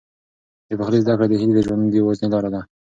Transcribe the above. د پخلي زده کړه د هیلې د ژوند یوازینۍ لاره نه وه.